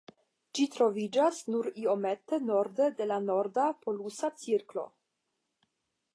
Ĝi troviĝas nur iomete norde de la norda polusa cirklo.